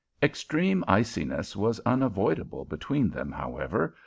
Extreme iciness was unavoidable between them, however.